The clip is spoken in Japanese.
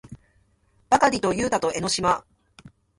ばかりとゆうたと江の島